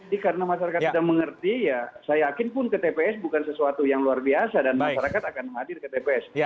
jadi karena masyarakat sudah mengerti saya yakin pun ke tps bukan sesuatu yang luar biasa dan masyarakat akan hadir ke tps